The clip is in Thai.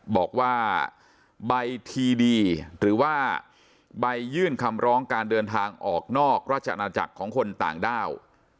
บอกว่าใบทีดีหรือว่าใบยื่นคำร้องการเดินทางออกนอกราชอาณาจักรของคนต่างด้าว